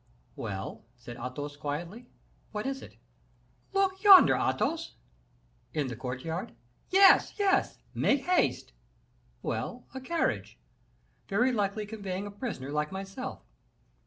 "Well," said Athos, quietly; "what is it?" "Look yonder, Athos." "In the courtyard?" "Yes, yes; make haste!" "Well, a carriage; very likely conveying a prisoner like myself."